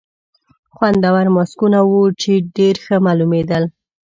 خوندور ماسکونه وو، چې ډېر ښه معلومېدل.